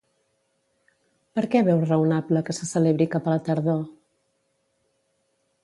Per què veu raonable que se celebri cap a la tardor?